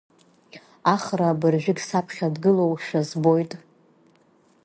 Ахра абыржәыгь саԥхьа дгылоушәа збоит.